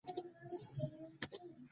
د یوې روښانه راتلونکې لپاره کوښښ وکړئ.